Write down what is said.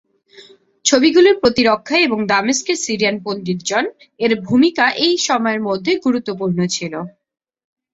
ছবিগুলির প্রতিরক্ষা এবং দামেস্কের সিরিয়ান পণ্ডিত জন এর ভূমিকা এই সময়ের মধ্যে গুরুত্বপূর্ণ ছিল।